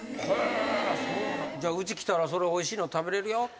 じゃあうち来たらおいしいの食べれるよって。